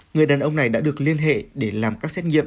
người đàn ông này đã được liên hệ để làm các xét nghiệm